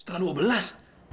setengah dua belas